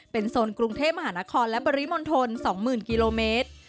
โซนกรุงเทพมหานครและปริมณฑล๒๐๐๐กิโลเมตร